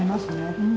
うん。